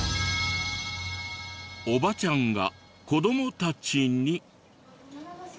おばちゃんが子どもたちに。